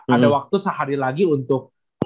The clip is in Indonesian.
ada waktu sehari lagi untuk